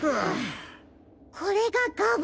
これがガブ。